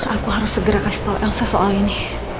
aku harus segera kasih elsa soal ini